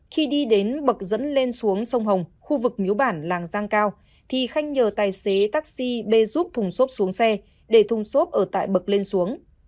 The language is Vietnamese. khi đi đến bậc dẫn lên xuống sông hồng khu vực nhú bản làng giang cao thì khanh nhờ tài xế taxi bê giúp thùng xốp xuống xe để thùng xốp ở tại bậc lên xuống